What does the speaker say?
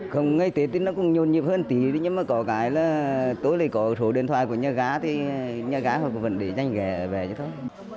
không ngày tết thì nó cũng nhôn nhịp hơn tí nhưng mà có cái là tối nay có số điện thoại của nhà gái thì nhà gái có vấn đề cho anh về cho thôi